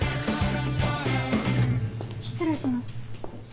失礼します。